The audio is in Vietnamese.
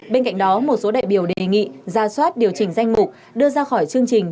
bên cạnh đó một số đại biểu đề nghị ra soát điều chỉnh danh mục đưa ra khỏi chương trình